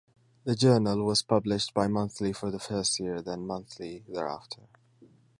The journal was published bimonthly for the first year, then monthly thereafter.